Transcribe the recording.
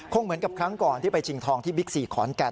เหมือนกับครั้งก่อนที่ไปชิงทองที่บิ๊กซีขอนแก่น